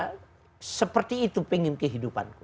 ya seperti itu pengen kehidupanku